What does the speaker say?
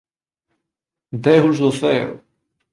Deus do ceo!